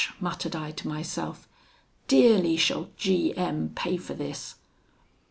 muttered I to myself, 'dearly shall G M pay for this!'